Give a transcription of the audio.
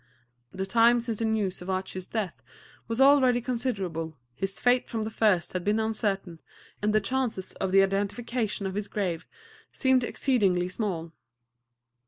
The time since the news of Archie's death was already considerable, his fate from the first had been uncertain, and the chances of the identification of his grave seemed exceedingly small.